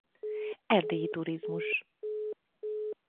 Erdélyi Turizmus